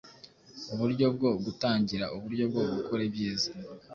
Uburyo bwo gutangira, uburyo bwo gukora ibyiza